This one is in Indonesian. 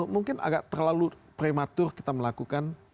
mungkin agak terlalu prematur kita melakukan